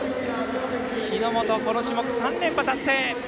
日本、この種目３連覇達成！